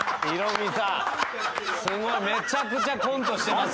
・すごいめちゃくちゃコントしてますね。